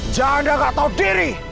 jangan dah nggak tau diri